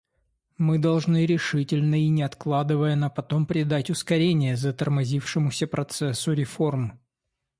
Мы должны решительно и не откладывая на потом придать ускорение затормозившемуся процессу реформ.